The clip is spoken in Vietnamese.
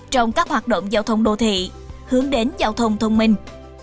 trong các hoạt động giao thông đô thị hướng đến giao thông thông minh